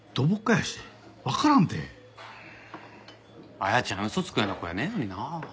彩ちゃん嘘つくような子やねえのになあ。